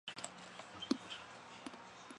这一事件标志着德国历史上一个重要的时刻。